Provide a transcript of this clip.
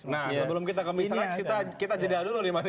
nah sebelum kita ke mr x kita jeda dulu nih